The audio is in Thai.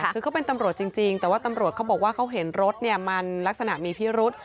คือเขาเป็นตำรวจจริงแต่ว่าตำรวจเขาบอกว่าเขาเห็นรถมันลักษณะมีพิรุษ